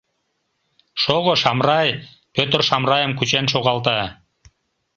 — Шого, Шамрай, — Пӧтыр Шамрайым кучен шогалта.